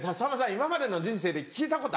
今までの人生で聞いたこと。